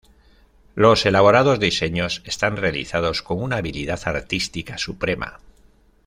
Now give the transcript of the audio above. Los elaborados diseños están realizados con una habilidad artística suprema.